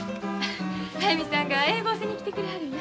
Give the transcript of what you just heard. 速水さんが英語教えに来てくれはるんや。